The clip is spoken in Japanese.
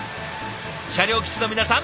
車両基地の皆さん